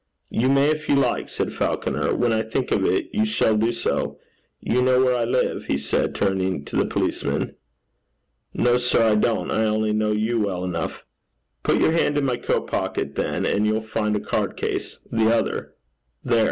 'You may, if you like,' said Falconer. 'When I think of it, you shall do so. You know where I live?' he said, turning to the policeman. 'No, sir, I don't. I only know you well enough.' 'Put your hand in my coat pocket, then, and you'll find a card case. The other. There!